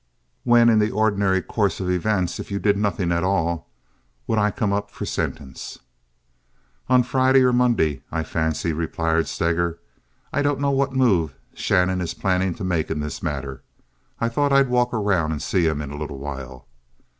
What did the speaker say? "When, in the ordinary course of events, if you did nothing at all, would I come up for sentence?" "Oh, Friday or Monday, I fancy," replied Steger. "I don't know what move Shannon is planning to make in this matter. I thought I'd walk around and see him in a little while."